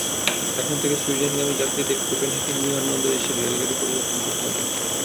এখন থেকে সুইডেনগামী যাত্রীদের কোপেনহেগেন বিমানবন্দরে এসে রেলগাড়ি পরিবর্তন করতে হবে।